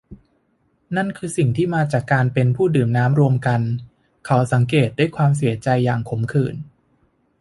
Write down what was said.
นั่นคือสิ่งที่มาจากการเป็นผู้ดื่มน้ำรวมกัน เขาสังเกตด้วยความเสียใจอย่างขมขื่น